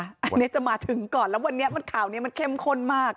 อันนี้จะมาถึงก่อนแล้ววันนี้ข่าวนี้มันเข้มข้นมาก